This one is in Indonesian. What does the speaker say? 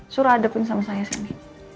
surah adepin sama saya sini